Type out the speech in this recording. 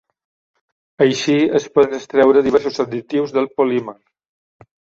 Així, es poden extreure diversos additius del polímer.